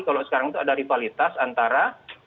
kalau sekarang itu ada rivalitas antara